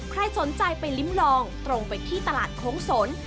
ใครสนใจไปลิ้มลองตรงไปที่ตลาดโค้งสน